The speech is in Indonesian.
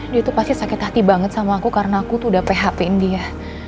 dia tuh pasti sakit hati banget sama aku karena aku tuh udah phpin dia